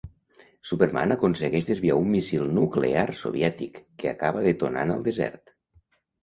Superman aconsegueix desviar un míssil nuclear soviètic, que acaba detonant al desert.